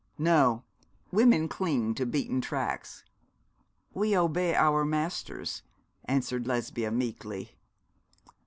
'No: women cling to beaten tracks.' 'We obey our masters,' answered Lesbia, meekly.